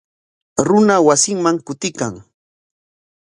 Runa wasinman kutiykan.